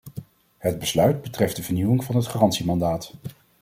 Het besluit betreft de vernieuwing van het garantiemandaat.